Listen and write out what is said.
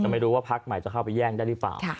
แต่ไม่รู้ว่าพักใหม่จะเข้าไปแย่งได้หรือเปล่า